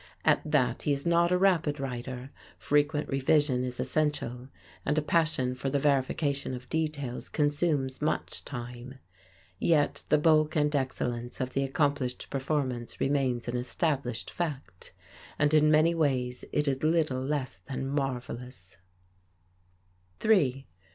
At that he is not a rapid writer, frequent revision is essential, and a passion for the verification of details consumes much time. Yet the bulk and excellence of the accomplished performance remains an established fact; and in many ways it is little less than marvelous. [Illustration: PHOTOGRAPH BY PACH BROS.